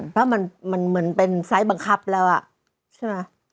เพราะมันเหมือนเป็นไซส์บังคับแล้วใช่ไหม